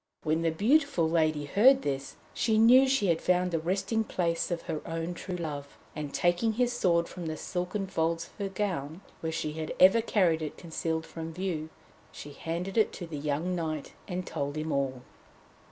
When the beautiful lady heard this, she knew she had found the resting place of her own true love, and taking his sword from the silken folds of her gown, where she had ever carried it concealed from view, she handed it to the young knight and told him all.